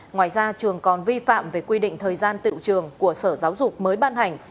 ngoài ra trường còn vi phạm về quy định thời gian tự trường của sở giáo dục mới ban hành